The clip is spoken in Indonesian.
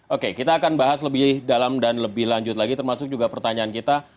oke kita akan bahas lebih dalam dan lebih lanjut lagi termasuk juga pertanyaan kita